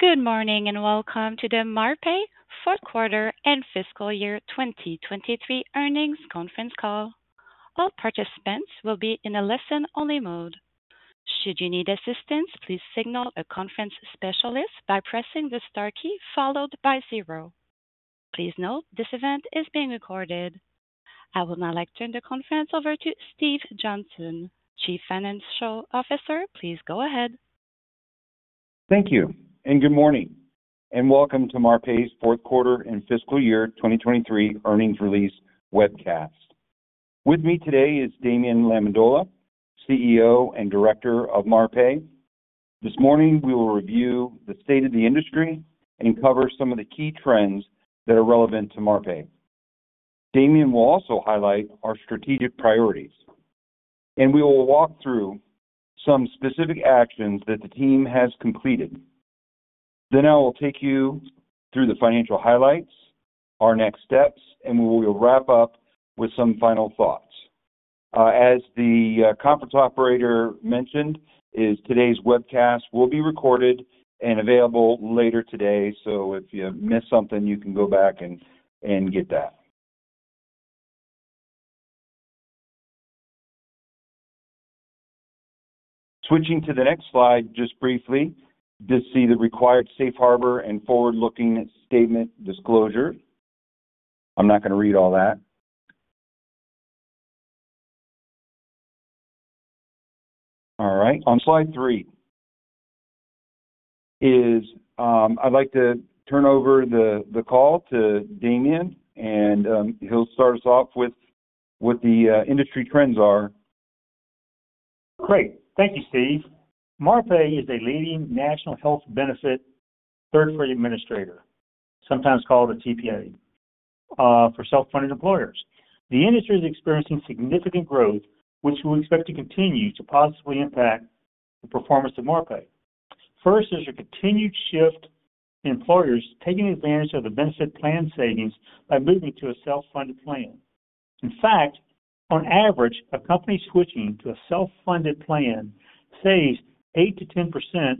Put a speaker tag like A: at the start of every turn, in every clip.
A: Good morning, and welcome to the Marpai Q4 and Fiscal Year 2023 Earnings Conference Call. All participants will be in a listen-only mode. Should you need assistance, please signal a conference specialist by pressing the star key followed by zero. Please note, this event is being recorded. I would now like to turn the conference over to Steve Johnson, Chief Financial Officer. Please go ahead.
B: Thank you, and good morning, and welcome to Marpai's Q4 and fiscal year 2023 earnings release webcast. With me today is Damien Lamendola, CEO and Director of Marpai. This morning, we will review the state of the industry and cover some of the key trends that are relevant to Marpai. Damien will also highlight our strategic priorities, and we will walk through some specific actions that the team has completed. Then I will take you through the financial highlights, our next steps, and we will wrap up with some final thoughts. As the conference operator mentioned, today's webcast will be recorded and available later today. So if you miss something, you can go back and get that. Switching to the next slide, just briefly to see the required safe harbor and forward-looking statement disclosure. I'm not going to read all that. All right. On slide three, I'd like to turn over the call to Damien, and he'll start us off with what the industry trends are.
C: Great. Thank you, Steve. Marpai is a leading national health benefit third-party administrator, sometimes called a TPA, for self-funded employers. The industry is experiencing significant growth, which we expect to continue to positively impact the performance of Marpai. First, there's a continued shift in employers taking advantage of the benefit plan savings by moving to a self-funded plan. In fact, on average, a company switching to a self-funded plan saves 8%-10%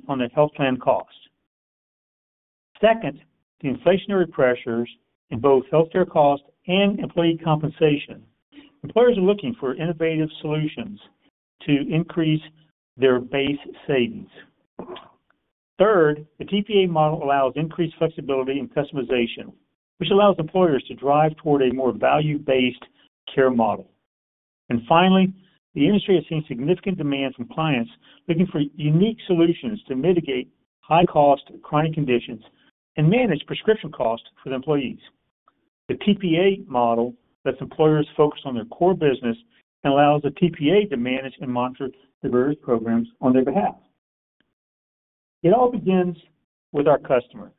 C: on their health plan costs. Second, the inflationary pressures in both healthcare costs and employee compensation. Employers are looking for innovative solutions to increase their base savings. Third, the TPA model allows increased flexibility and customization, which allows employers to drive toward a more value-based care model. And finally, the industry has seen significant demand from clients looking for unique solutions to mitigate high cost chronic conditions and manage prescription costs for the employees. The TPA model lets employers focus on their core business and allows the TPA to manage and monitor the various programs on their behalf. It all begins with our customer.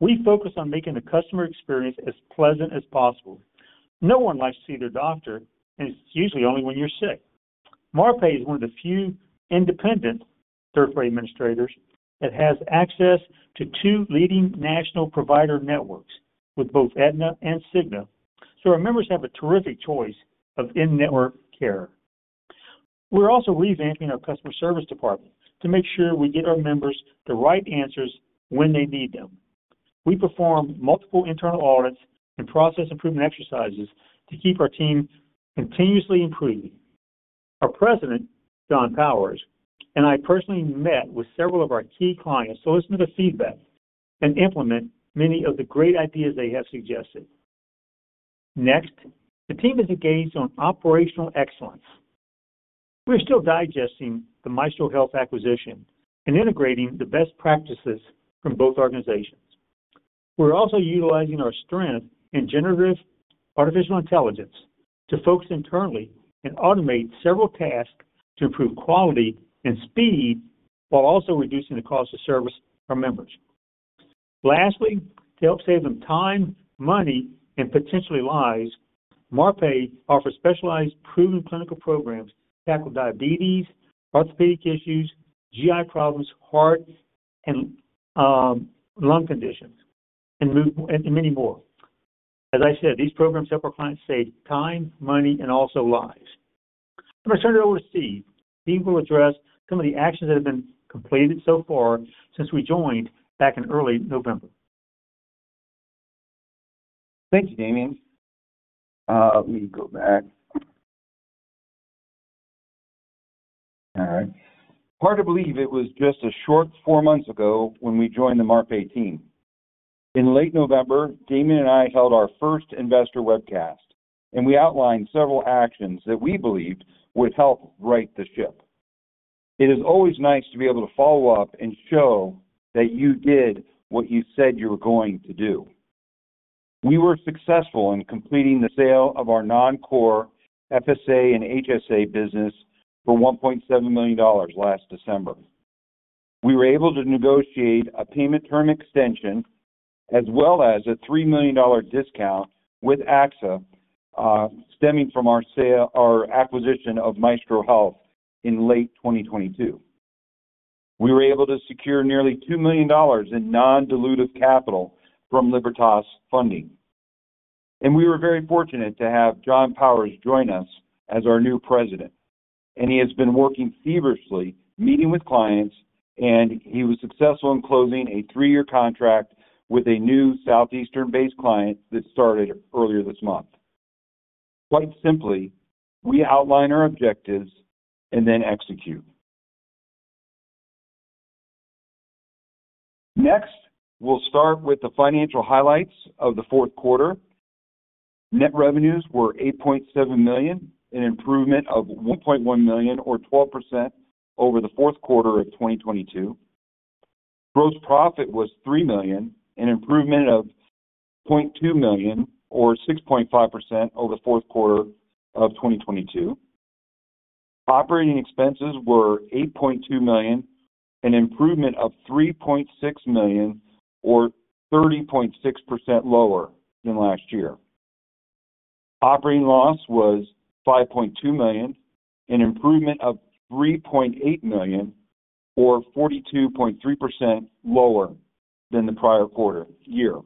C: We focus on making the customer experience as pleasant as possible. No one likes to see their doctor, and it's usually only when you're sick. Marpai is one of the few independent third-party administrators that has access to two leading national provider networks with both Aetna and Cigna, so our members have a terrific choice of in-network care. We're also revamping our customer service department to make sure we get our members the right answers when they need them. We perform multiple internal audits and process improvement exercises to keep our team continuously improving. Our president, John Powers, and I personally met with several of our key clients to listen to the feedback and implement many of the great ideas they have suggested. Next, the team is engaged on operational excellence. We're still digesting the Maestro Health acquisition and integrating the best practices from both organizations. We're also utilizing our strength in generative artificial intelligence to focus internally and automate several tasks to improve quality and speed, while also reducing the cost of service for members. Lastly, to help save them time, money, and potentially lives, Marpai offers specialized, proven clinical programs to tackle diabetes, orthopedic issues, GI problems, heart and lung conditions, and many more. As I said, these programs help our clients save time, money, and also lives. I'm going to turn it over to Steve. Steve will address some of the actions that have been completed so far since we joined back in early November.
B: Thank you, Damien. Let me go back. All right. Hard to believe it was just a short four months ago when we joined the Marpai team. In late November, Damien and I held our first investor webcast, and we outlined several actions that we believed would help right the ship. It is always nice to be able to follow up and show that you did what you said you were going to do. We were successful in completing the sale of our non-core FSA and HSA business for $1.7 million last December. We were able to negotiate a payment term extension, as well as a $3 million discount with AXA, stemming from our sale or acquisition of Maestro Health in late 2022. We were able to secure nearly $2 million in non-dilutive capital from Libertas Funding. We were very fortunate to have John Powers join us as our new president, and he has been working feverishly, meeting with clients, and he was successful in closing a three-year contract with a new Southeastern-based client that started earlier this month. Quite simply, we outline our objectives and then execute. Next, we'll start with the financial highlights of the Q4. Net revenues were $8.7 million, an improvement of $1.1 million, or 12%, over the Q4 of 2022. Gross profit was $3 million, an improvement of $0.2 million, or 6.5%, over the Q4 of 2022. Operating expenses were $8.2 million, an improvement of $3.6 million, or 30.6% lower than last year. Operating loss was $5.2 million, an improvement of $3.8 million, or 42.3%, lower than the prior quarter year.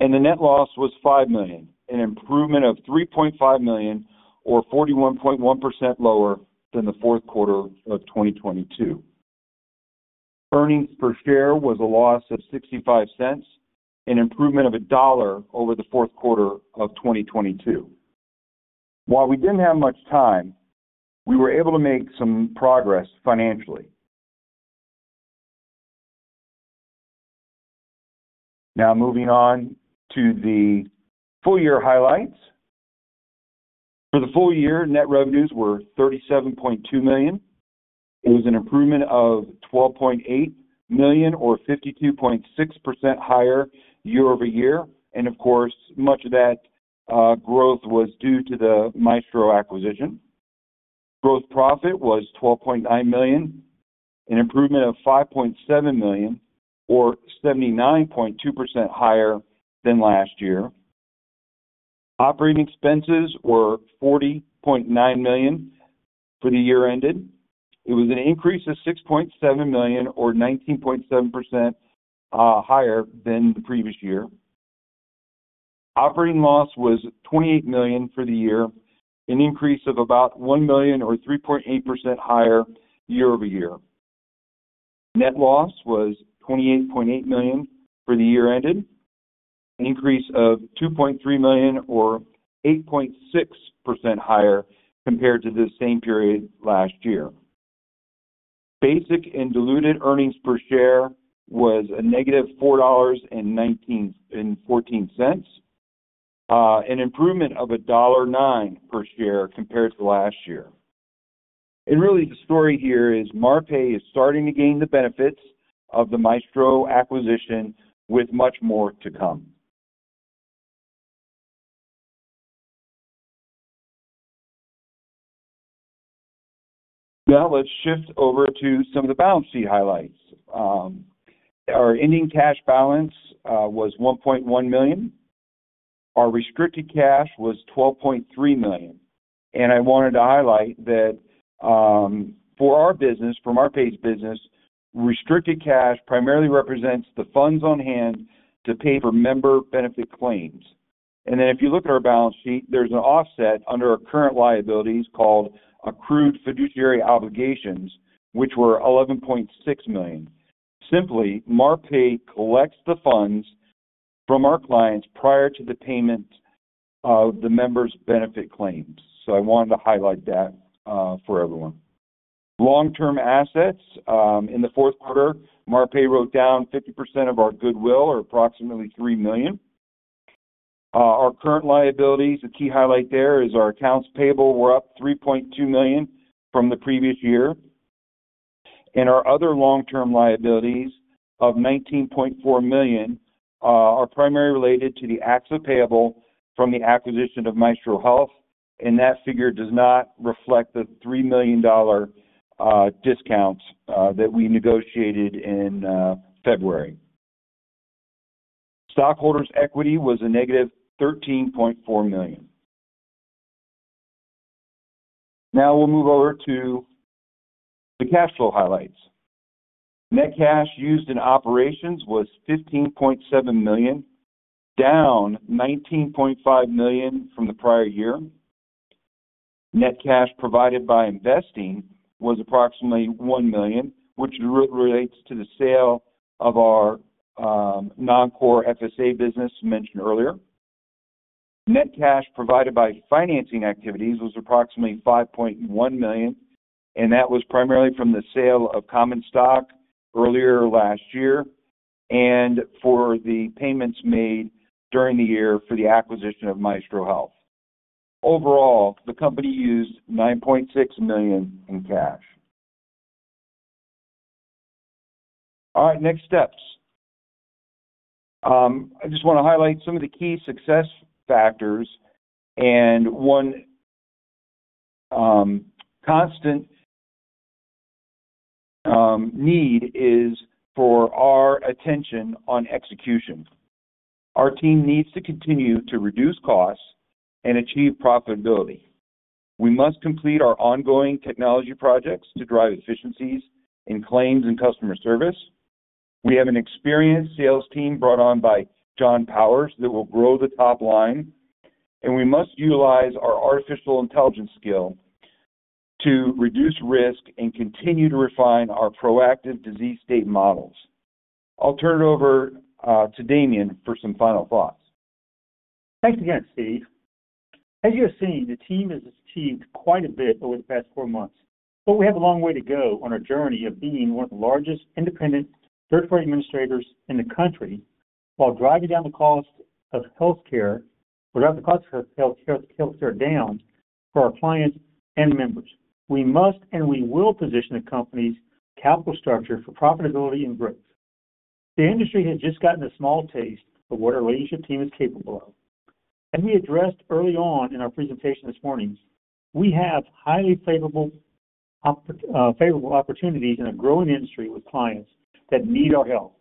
B: The net loss was $5 million, an improvement of $3.5 million, or 41.1%, lower than the Q4 of 2022. Earnings per share was a loss of $0.65, an improvement of $1 over the Q4 of 2022. While we didn't have much time, we were able to make some progress financially. Now, moving on to the full year highlights. For the full year, net revenues were $37.2 million. It was an improvement of $12.8 million, or 52.6% higher year-over-year. Of course, much of that growth was due to the Maestro acquisition. Gross profit was $12.9 million, an improvement of $5.7 million, or 79.2%, higher than last year. Operating expenses were $40.9 million for the year ended. It was an increase of $6.7 million, or 19.7%, higher than the previous year. Operating loss was $28 million for the year, an increase of about $1 million, or 3.8%, higher year-over-year. Net loss was $28.8 million for the year ended, an increase of $2.3 million, or 8.6% higher, compared to the same period last year. Basic and diluted earnings per share was a negative $4.19, an improvement of $1.09 per share compared to last year. Really, the story here is Marpai is starting to gain the benefits of the Maestro acquisition, with much more to come. Now let's shift over to some of the balance sheet highlights. Our ending cash balance was $1.1 million. Our restricted cash was $12.3 million. And I wanted to highlight that, for our business, from Marpai's business, restricted cash primarily represents the funds on hand to pay for member benefit claims. And then if you look at our balance sheet, there's an offset under our current liabilities called accrued fiduciary obligations, which were $11.6 million. Simply, Marpai collects the funds from our clients prior to the payment of the members' benefit claims. So I wanted to highlight that, for everyone. Long-term assets. In the Q4, Marpai wrote down 50% of our goodwill, or approximately $3 million. Our current liabilities, the key highlight there is our accounts payable were up $3.2 million from the previous year, and our other long-term liabilities of $19.4 million are primarily related to the accrued payables from the acquisition of Maestro Health, and that figure does not reflect the $3 million discounts that we negotiated in February. Stockholders' equity was -$13.4 million. Now we'll move over to the cash flow highlights. Net cash used in operations was $15.7 million, down $19.5 million from the prior year. Net cash provided by investing was approximately $1 million, which relates to the sale of our non-core FSA business mentioned earlier. Net cash provided by financing activities was approximately $5.1 million, and that was primarily from the sale of common stock earlier last year and for the payments made during the year for the acquisition of Maestro Health. Overall, the company used $9.6 million in cash. All right, next steps. I just want to highlight some of the key success factors. And one, constant, need is for our attention on execution. Our team needs to continue to reduce costs and achieve profitability. We must complete our ongoing technology projects to drive efficiencies in claims and customer service. We have an experienced sales team brought on by John Powers that will grow the top line, and we must utilize our artificial intelligence skill to reduce risk and continue to refine our proactive disease state models. I'll turn it over to Damien for some final thoughts.
C: Thanks again, Steve. As you have seen, the team has achieved quite a bit over the past four months, but we have a long way to go on our journey of being one of the largest independent third-party administrators in the country, while driving down the cost of healthcare, without the cost of healthcare down for our clients and members. We must, and we will, position the company's capital structure for profitability and growth. The industry has just gotten a small taste of what our leadership team is capable of. As we addressed early on in our presentation this morning, we have highly favorable opportunities in a growing industry with clients that need our help.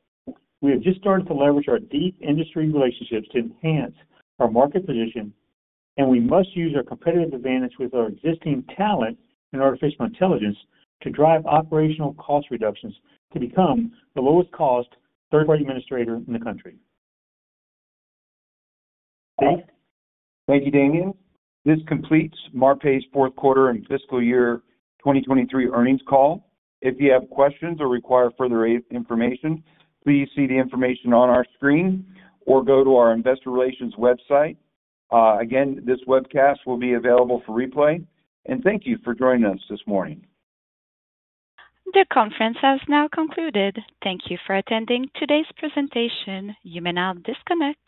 C: We have just started to leverage our deep industry relationships to enhance our market position, and we must use our competitive advantage with our existing talent in artificial intelligence to drive operational cost reductions to become the lowest cost third-party administrator in the country.
B: Thanks. Thank you, Damien. This completes Marpai's Q4 and Fiscal Year 2023 Earnings Call. If you have questions or require further information, please see the information on our screen or go to our investor relations website. Again, this webcast will be available for replay. Thank you for joining us this morning.
A: The conference has now concluded. Thank you for attending today's presentation. You may now disconnect.